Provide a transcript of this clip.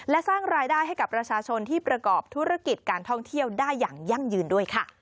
และสร้างรายได้ให้กับประชาชนที่ประกอบธุรกิจการท่องเที่ยวได้อย่างยั่งยืนด้วยค่ะ